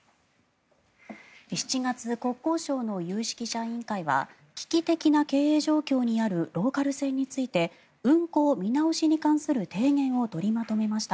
７月、国交省の有識者委員会は危機的な経営状況にあるローカル線について運行見直しに関する提言を取りまとめました。